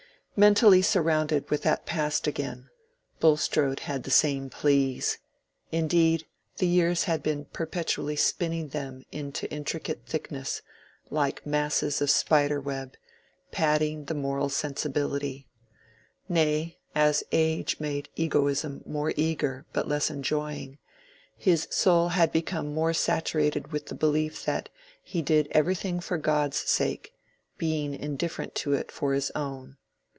Mentally surrounded with that past again, Bulstrode had the same pleas—indeed, the years had been perpetually spinning them into intricate thickness, like masses of spider web, padding the moral sensibility; nay, as age made egoism more eager but less enjoying, his soul had become more saturated with the belief that he did everything for God's sake, being indifferent to it for his own.